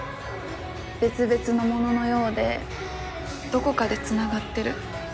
別々のもののようでどこかでつながってる